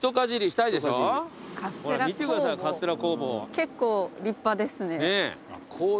結構立派ですね。